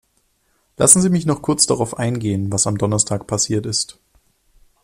Lassen Sie mich noch kurz darauf eingehen, was am Donnerstag passiert ist.